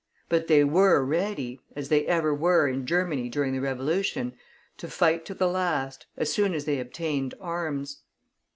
But they were ready as they ever were in Germany during the revolution to fight to the last, as soon as they obtained arms.